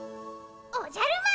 おじゃる丸！